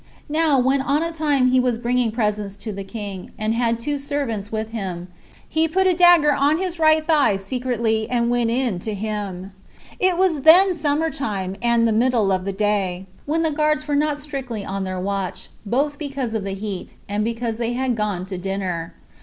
Now, when on a time he was bringing presents to the king, and had two servants with him, he put a dagger on his right thigh secretly, and went in to him: it was then summer time, and the middle of the day, when the guards were not strictly on their watch, both because of the heat, and because they were gone to dinner.